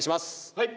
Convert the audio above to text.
はい！